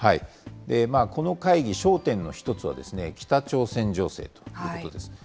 この会議、焦点の一つは、北朝鮮情勢ということです。